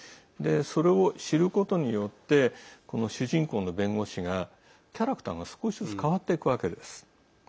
それを知ることによって主人公の弁護士がキャラクターが少しずつ変わっていくわけです。